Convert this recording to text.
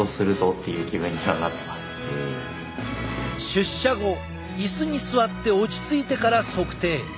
出社後椅子に座って落ち着いてから測定。